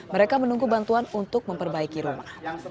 mereka menunggu bantuan untuk memperbaiki rumah